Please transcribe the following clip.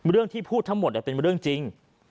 เรื่องที่พูดทั้งหมดเป็นเรื่องจริง